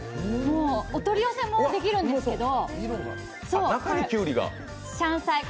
お取り寄せもできるんですけど。